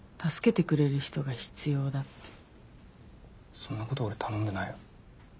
そんなこと俺頼んでないよ。